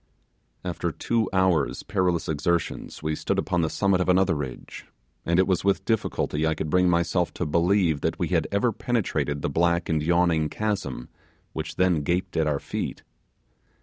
After two hours' perilous exertions we stood upon the summit of another ridge, and it was with difficulty I could bring myself to believe that we had ever penetrated the black and yawning chasm which then gaped at our feet.